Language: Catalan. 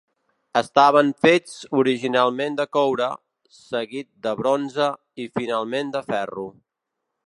Estaven fets originalment de coure, seguit de bronze i, finalment, de ferro.